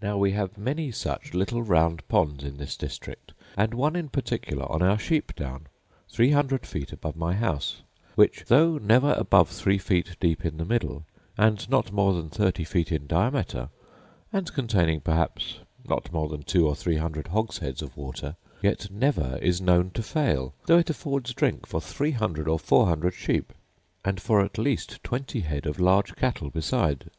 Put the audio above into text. Now we have many such little round ponds in this district; and one in particular on our sheep down, three hundred feet above my house; which though never above three feet deep in the middle, and not more than thirty feet in diameter, and containing perhaps not more than two or three hundred hogsheads of water, yet never is known to fail, though it affords drink for three hundred or four hundred sheep, and for at least twenty head of large cattle beside.